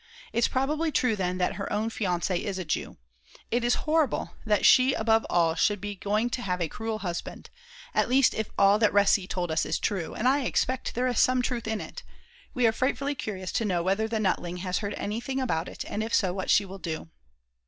It's probably true, then, that her own fiance is a Jew. Its horrible that she above all should be going to have a cruel husband; at least if all that Resi told us is true; and I expect there is some truth in it. We are frightfully curious to know whether the Nutling has heard anything about it and if so what she will do.